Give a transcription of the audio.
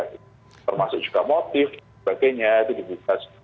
ya termasuk juga motif sebagainya itu dibutas